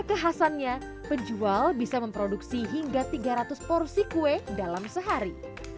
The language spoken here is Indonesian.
kekhasannya penjual bisa memproduksi hingga tiga ratus porsi kue dalam sehari